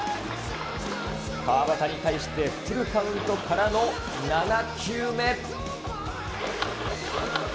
川端に対してフルカウントからの７球目。